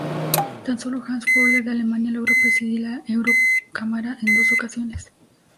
Tan solo Hans Furler, de Alemania, logró presidir la eurocámara en dos ocasiones.